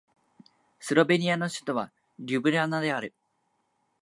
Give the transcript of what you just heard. スロベニアの首都はリュブリャナである